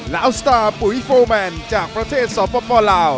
และอัลสตาร์ปุ๋ยโฟร์แมนจากประเทศสปลาว